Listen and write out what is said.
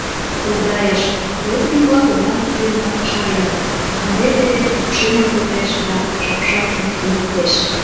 Тогдайыш: плотньык-влак оҥам илемак шаренытат, ынде теве кукшемын туртеш да шапшак йӱкым луктеш.